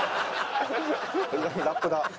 ラップだ。